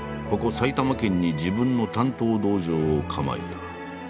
埼玉県に自分の鍛刀道場を構えた。